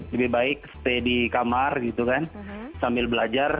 lebih baik stay di kamar gitu kan sambil belajar